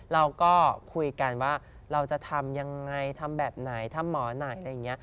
เราก็คุยกันว่าเราจะทำยังไงทำแบบไหนทำหมอไหนอะไรอย่างนี้